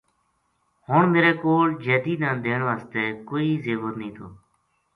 ہن میرے کول جیدی نا دین واسطے کوئی زیور نیہہ تھو